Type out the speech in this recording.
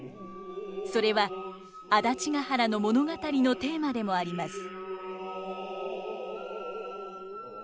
それは「安達原」の物語のテーマでもあります。